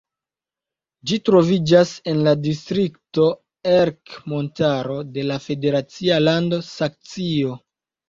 Ĝi troviĝas en la distrikto Ercmontaro de la federacia lando Saksio.